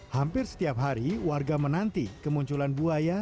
hampir setiap hari warga menanti kemunculan buaya